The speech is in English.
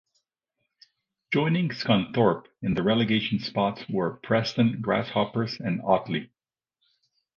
Joining Scunthorpe in the relegation spots were Preston Grasshoppers and Otley.